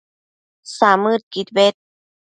samëdquid bed